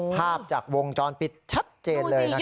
ภาพจากวงจรปิดชัดเจนเลยนะครับ